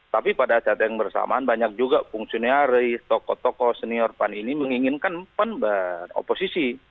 tapi pada saat yang bersamaan banyak juga fungsi nearis tokoh tokoh senior pan ini menginginkan pan beroposisi